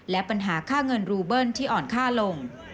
และปัญหาค่าเงินรูเบิ้ลที่อ่อนค่าลง